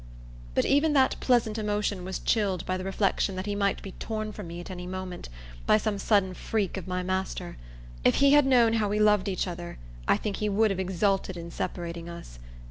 But even that pleasant emotion was chilled by the reflection that he might be torn from me at any moment, by some sudden freak of my master. If he had known how we loved each other, I think he would have exulted in separating us.